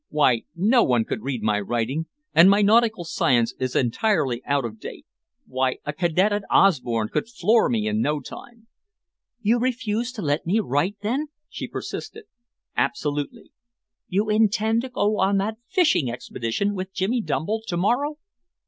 Why, no one could read my writing, and my nautical science is entirely out of date. Why a cadet at Osborne could floor me in no time." "You refuse to let me write, then?" she persisted. "Absolutely." "You intend to go on that fishing expedition with Jimmy Dumble to morrow?"